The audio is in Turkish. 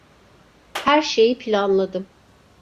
Her şeyi planladım.